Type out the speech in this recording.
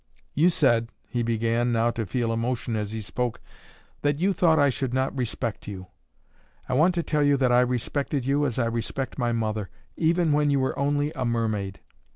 "You said" he began now to feel emotion as he spoke "that you thought I should not respect you. I want to tell you that I respected you as I respect my mother, even when you were only a mermaid.